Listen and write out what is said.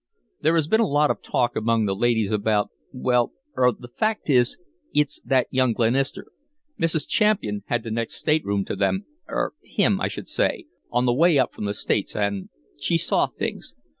"There has been a lot of talk among the ladies about well, er the fact is, it's that young Glenister. Mrs. Champian had the next state room to them er him I should say on the way up from the States, and she saw things.